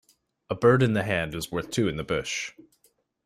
A bird in the hand is worth two in the bush.